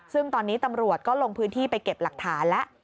ซึ่งตอนนี้ตำรวจก็ลงพื้นที่ไปเก็บหลักฐานแล้ว